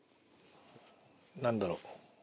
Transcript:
何だろう。